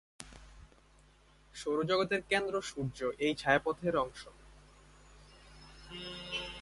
সৌরজগৎের কেন্দ্র সূর্য এই ছায়াপথের অংশ।